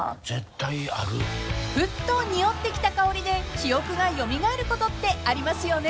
［ふっとにおってきた香りで記憶が蘇ることってありますよね］